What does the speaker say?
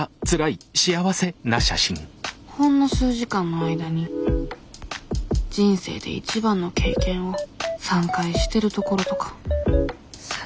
ほんの数時間の間に人生で一番の経験を３回してるところとか幸